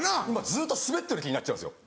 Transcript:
ずっとスベってる気になっちゃうんですよ。